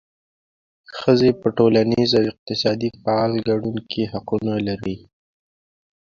ښځې په ټولنیز او اقتصادي فعال ګډون کې حقونه لري.